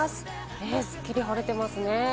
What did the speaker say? すっきり晴れていますね。